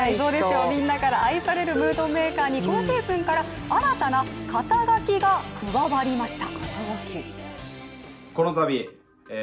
みんなから愛されるムードメーカーに今シーズンから新たな肩書が加わりました。